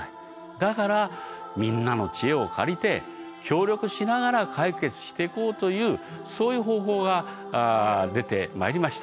だからみんなの知恵を借りて協力しながら解決していこうというそういう方法が出てまいりました。